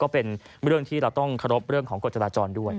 เป็นเรื่องที่เราต้องเคารพเรื่องของกฎจราจรด้วย